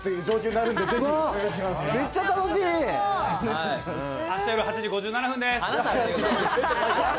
あした夜８時５７分です。